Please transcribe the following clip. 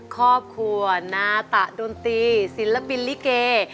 ครอบครัวนาตะดนตรีศิลปินลิเก